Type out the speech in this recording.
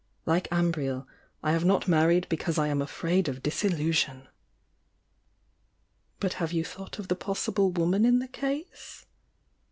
Like Amriel, I have not married because I am afraid of disiUu sion!" "But have you thought of the possible woman m the case?"